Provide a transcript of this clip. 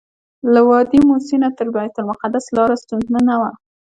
له وادي موسی نه تر بیت المقدسه لاره ستونزمنه وه.